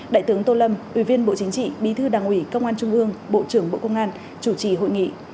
đại tướng tô lâm ủy viên bộ chính trị bí thư đảng ủy công an trung ương bộ trưởng bộ công an chủ trì hội nghị